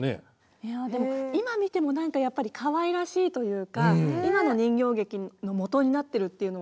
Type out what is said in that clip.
いやでも今見ても何かやっぱりかわいらしいというか今の人形劇のもとになってるっていうのは。